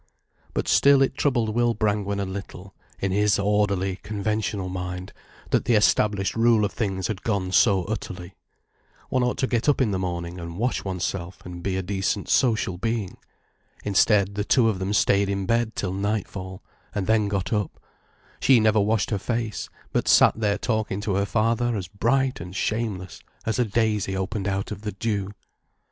But still it troubled Will Brangwen a little, in his orderly, conventional mind, that the established rule of things had gone so utterly. One ought to get up in the morning and wash oneself and be a decent social being. Instead, the two of them stayed in bed till nightfall, and then got up, she never washed her face, but sat there talking to her father as bright and shameless as a daisy opened out of the dew.